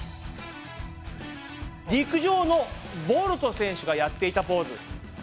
陸上のボルト選手がやっていたポーズありましたよね。